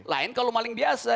lain kalau maling biasa